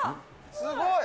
すごい。